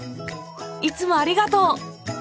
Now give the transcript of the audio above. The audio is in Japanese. いつもありがとう！